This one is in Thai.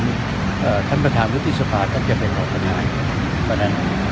ซึ่งท่านประธานวิทยุทธิศาจท่านก็จะเป็นออดกันได้